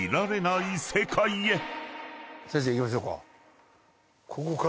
先生いきましょうか。